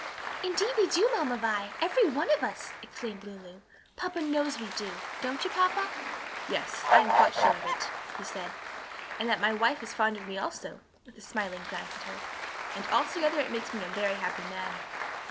"Indeed we do, Mamma Vi! every one of us!" exclaimed Lulu. "Papa knows we do. Don't you, papa?" "Yes, I am quite sure of it," he said. "And that my wife is fond of me also," with a smiling glance at her, "and altogether it makes me a very happy man."